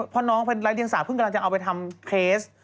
เพราะน้องเป็นไร้เดียงสาเพิ่งกำลังจะเอาไปทำเคส